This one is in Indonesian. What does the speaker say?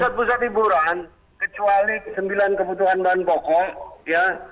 pusat pusat hiburan kecuali sembilan kebutuhan bahan pokok ya